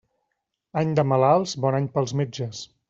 Any de malalts, bon any pels metges.